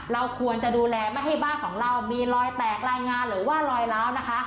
เราควรจะดูแลไม่ให้บ้านของเรามีรอยแตกรายงานหรือว่าลอยล้าวนะคะ